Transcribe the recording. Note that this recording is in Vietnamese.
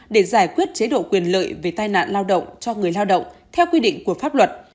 để giải quyết chế độ quyền lợi về tai nạn lao động cho người lao động theo quy định của pháp luật